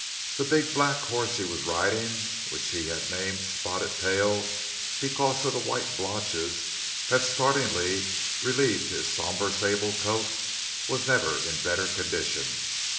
The big black horse he was riding—which he had named "Spotted Tail" because of the white blotches that startlingly relieved his somber sable coat—was never in better condition.